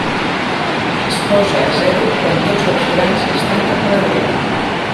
Es posa a zero quan tots els grans estan cap a la dreta.